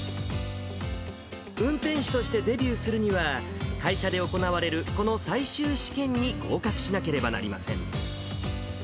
運転手としてデビューするには、会社で行われるこの最終試験に合格しなければなりません。